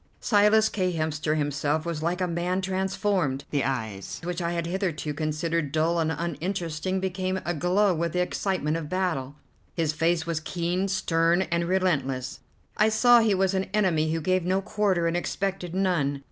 Silas K. Hemster himself was like a man transformed; the eyes which I had hitherto considered dull and uninteresting became aglow with the excitement of battle. His face was keen, stern, and relentless; I saw he was an enemy who gave no quarter and expected none.